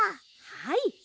はい。